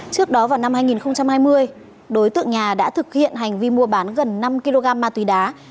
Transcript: trước đó vào năm hai nghìn hai mươi đối tượng nhà đã thực hiện hành vi mua bán gần năm kg ma túy đá